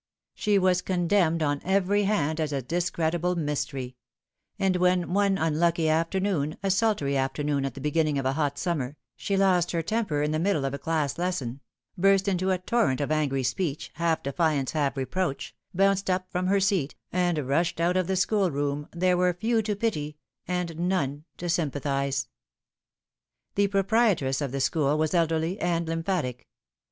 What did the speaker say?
She was condemned on every hand as a discreditable mystery ; and when, one unlucky afternoon, a sultry afternoon at the beginning of a hot Bummer, she lost her temper in the mifMle of a class lesson, burst into a torrent of angry speech, half defiance, half reproach, bounced up from her seat, and rushed out of the schoolroom, there were few to pity, and none to sympathise. The proprietress of the school was elderly and lymphatic.